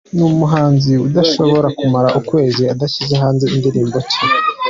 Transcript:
Ni umuhanzi udashobora kumara ukwezi adashyize hanze indirimbo nshya.